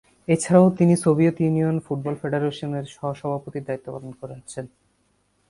এছাড়াও তিনি Soviet Union football ফেডারেশনের সহ-সভাপতির দায়িত্ব পালন করেছেন।